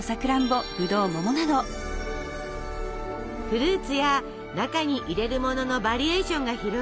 フルーツや中に入れるもののバリエーションが広がり